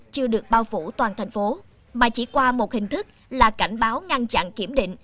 chưa được bao phủ toàn thành phố mà chỉ qua một hình thức là cảnh báo ngăn chặn kiểm định